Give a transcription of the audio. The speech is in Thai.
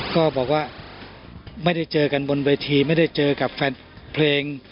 ก็บอกว่าไม่ได้เจอกันบนเวทีไม่ได้เจอกับแฟนเพลง